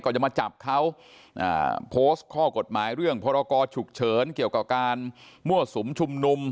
จะมาจับเขาโพสต์ข้อกฎหมายเรื่องพรกรฉุกเฉินเกี่ยวกับการมั่วสุมชุมนุม